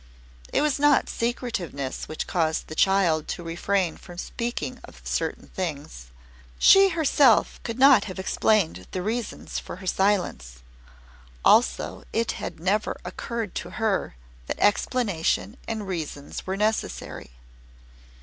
It was not secretiveness which caused the child to refrain from speaking of certain things. She herself could not have explained the reasons for her silence; also it had never occurred to her that explanation and reasons were necessary.